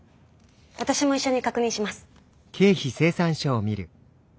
私も一緒に確認します。